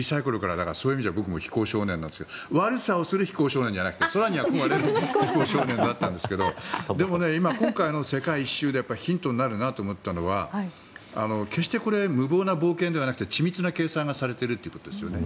そういう意味では僕も飛行少年なんですが悪さをする非行少年じゃなくて空に憧れる飛行少年だったんですけどでも今、今回の世界一周でヒントになるなと思ったのは決してこれは無謀な冒険ではなくて緻密な計算がされているということですね。